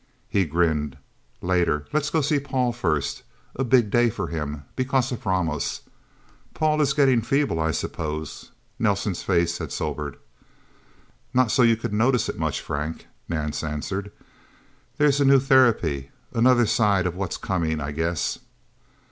He grinned. "Later. Let's go to see Paul, first. A big day for him because of Ramos. Paul is getting feeble, I suppose?" Nelsen's face had sobered. "Not so you could notice it much, Frank," Nance answered. "There's a new therapy another side of What's Coming, I guess..."